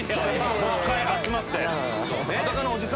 もう１回集まって。